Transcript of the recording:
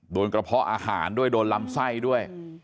โดนกระเพาะอาหารโดนรำไส้ด้วย